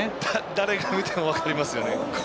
誰が見ても分かりますよね。